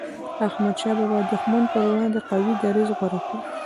احمد شاه بابا د دښمن پر وړاندي قوي دریځ غوره کړ.